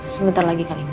sebentar lagi kalau ibu